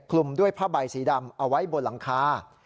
คลุมด้วยผ้าใบสีดำเอาไว้บนหลังคา